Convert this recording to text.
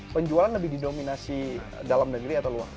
penjualan lebih didominasi dalam negeri atau luar